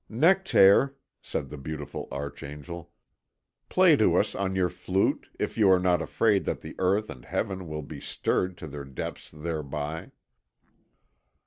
"Nectaire," said the beautiful archangel, "play to us on your flute, if you are not afraid that the Earth and Heaven will be stirred to their depths thereby."